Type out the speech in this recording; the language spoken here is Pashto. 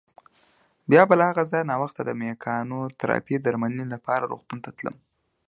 بیا به له هغه ځایه ناوخته د مېکانوتراپۍ درملنې لپاره روغتون ته تلم.